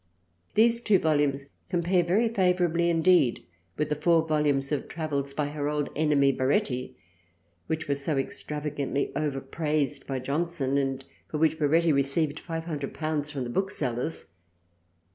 These two Volumes compare very favourably indeed with the four Volumes of Travels by her old enemy Baretti which were so extravagantly over praised by Johnson and for which Baretti received ^^500 from the Book sellers.